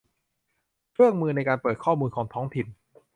เครื่องมือในการเปิดข้อมูลของท้องถิ่น